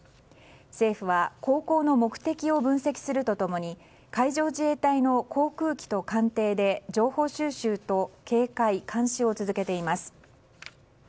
政府は航行の目的を分析すると共に海上自衛隊の航空機と艦艇で情報収集と警戒・監視を続けています。